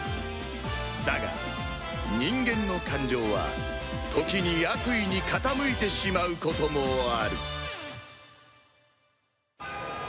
だが人間の感情は時に悪意に傾いてしまうこともある